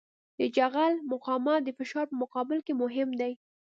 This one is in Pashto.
د جغل مقاومت د فشار په مقابل کې مهم دی